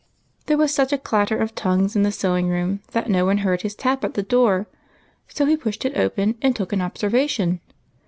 There was such a clatter of tongues in the sewing room that no one heard his tap at the door, so he pushed it open and took an observation.